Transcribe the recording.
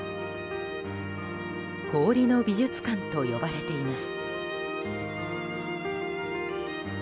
氷の美術館と呼ばれています。